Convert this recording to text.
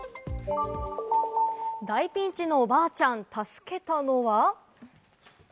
大ピンチのおばあちゃん、助けたのは。